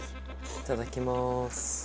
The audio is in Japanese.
いただきます。